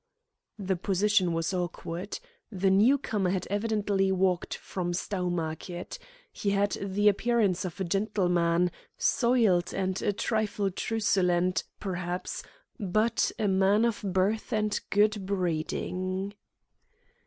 The position was awkward. The new comer had evidently walked from Stowmarket. He had the appearance of a gentleman, soiled and a trifle truculent, perhaps, but a man of birth and good breeding.